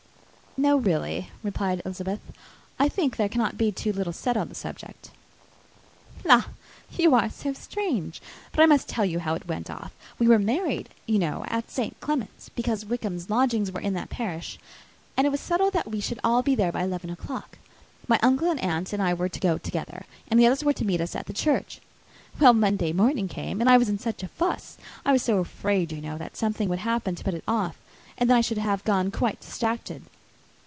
"No, really," replied Elizabeth; "I think there cannot be too little said on the subject." "La! You are so strange! But I must tell you how it went off. We were married, you know, at St. Clement's, because Wickham's lodgings were in that parish. And it was settled that we should all be there by eleven o'clock. My uncle and aunt and I were to go together; and the others were to meet us at the church. "Well, Monday morning came, and I was in such a fuss! I was so afraid, you know, that something would happen to put it off, and then I should have gone quite distracted.